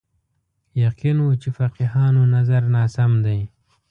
یقین و چې فقیهانو نظر ناسم دی